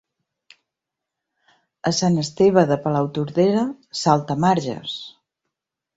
A Sant Esteve de Palautordera, saltamarges.